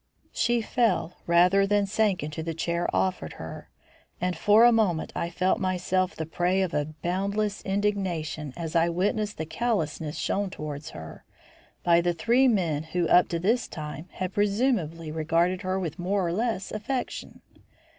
She fell rather than sank into the chair offered her, and for a moment I felt myself the prey of a boundless indignation as I witnessed the callousness shown towards her by the three men who up to this time had presumably regarded her with more or less affection.